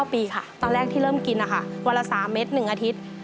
ปีค่ะตอนแรกที่เริ่มกินนะคะวันละ๓เม็ด๑อาทิตย์